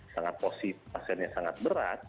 sangat posisi pasien yang sangat berat